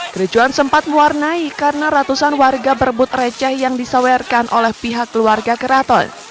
kericuan sempat mewarnai karena ratusan warga berebut receh yang disawerkan oleh pihak keluarga keraton